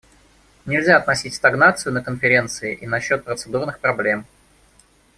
Нельзя относить стагнацию на Конференции и на счет процедурных проблем.